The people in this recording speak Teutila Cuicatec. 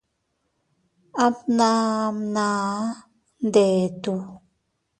Abbnamnaʼa ndettu.